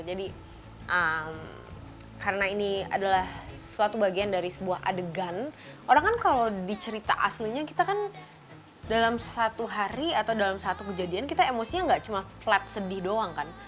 jadi karena ini adalah suatu bagian dari sebuah adegan orang kan kalau dicerita aslinya kita kan dalam satu hari atau dalam satu kejadian kita emosinya gak cuma flat sedih doang kan